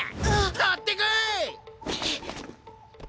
取ってこい！